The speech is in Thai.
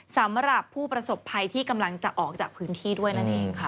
สำหรับผู้ประสบภัยที่กำลังจะออกจากพื้นที่ด้วยนั่นเองค่ะ